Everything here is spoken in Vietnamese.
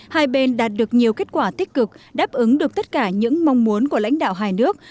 hai bên đạt được nhiều kết quả tích cực đáp ứng được tất cả những mong muốn của lãnh đạo hai nước